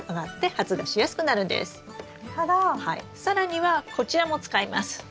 更にはこちらも使います。